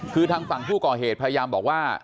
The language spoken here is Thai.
คือทางฝั่งผู้ก่อเหตุพยายามบอกว่า